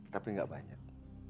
tapi gak banyak